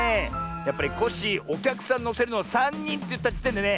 やっぱりコッシーおきゃくさんのせるのはさんにんっていったじてんでね